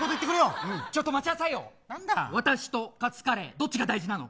どっちが大事なの。